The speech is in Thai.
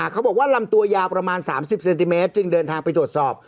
เขาบอกว่าลำตัวยาวประมาณ๓๐เซนติเมตรจึงเดินทางไปตรวจสอบ